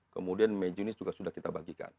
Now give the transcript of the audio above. kemudian mei juni juga sudah kita bagikan